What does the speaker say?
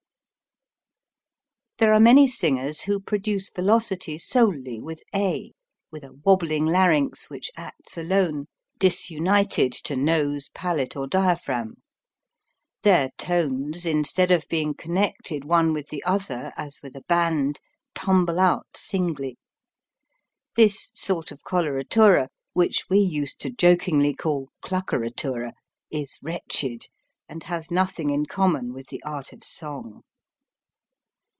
There are many singers who produce velocity solely with a, with a wabbling larynx which acts alone, disunited to nose, palate, or dia phragm. Their tones instead of being con nected ' one with the other, as with a band, tumble out singly. This sort of coloratura, which we used to jokingly call "cluckeratura," is wretched and has nothing in common with the art of song.